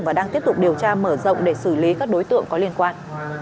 và đang tiếp tục điều tra mở rộng để xử lý các đối tượng có liên quan